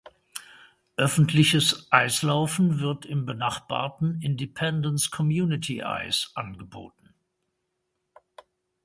Öffentliches Eislaufen wird im benachbarten "Independence Community Ice" angeboten.